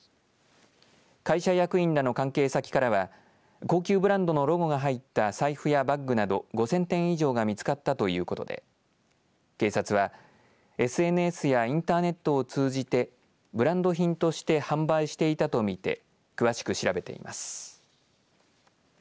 会社役員らの関係先からは高級ブランドのロゴが入った財布やバッグなど５０００点以上が見つかったということで警察はＳＮＳやインターネットを通じてブランド品として販売していたと見て詳しく調べています。